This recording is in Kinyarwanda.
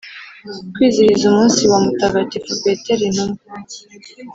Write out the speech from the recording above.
kwizihiza umunsi wa mutagatifu petero intumwa,